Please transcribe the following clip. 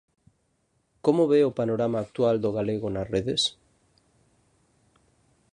Como ve o panorama actual do galego nas redes?